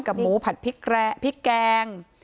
หมูผัดพริกแกง